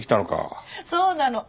そうなの。